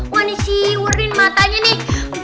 wah nih si wardin matanya nih